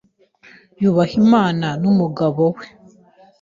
Yubaha Imana n’umugabo we;